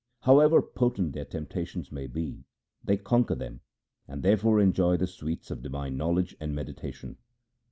However potent their temptations may be, they conquer them, and there fore enjoy the sweets of divine knowledge and medi tation.